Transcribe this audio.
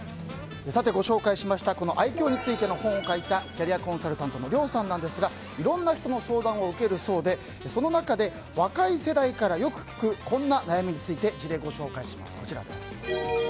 ご紹介しましたこの愛嬌について本を書いたキャリアコンサルタントのリョウさんですがいろんな人の相談を受けるそうで、その中で若い世代からよく聞くこんな悩みについて事例をご紹介します。